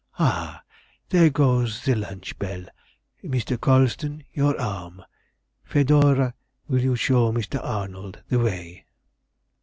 "Ha! There goes the lunch bell. Mr. Colston, your arm. Fedora, will you show Mr. Arnold the way?"